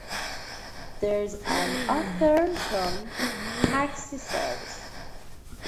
There is an Atherton taxi service.